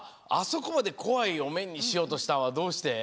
そこまでこわいおめんにしようとしたんはどうして？